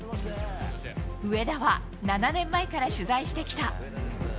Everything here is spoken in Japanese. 上田は７年前から取材してきた。